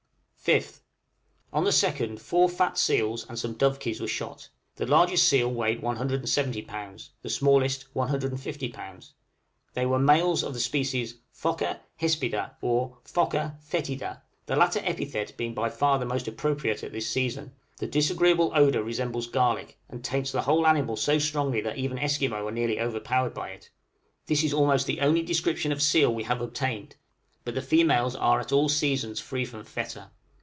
5th. On the 2nd four fat seals and some dovekies were shot; the largest seal weighed 170 lbs., the smallest 150 lbs.; they were males of the species Phoca hespida, or Phoca fœtida, the latter epithet being by far the most appropriate at this season; the disagreeable odor resembles garlic, and taints the whole animal so strongly that even Esquimaux are nearly overpowered by it: this is almost the only description of seal we have obtained, but the females are at all seasons free from fetor.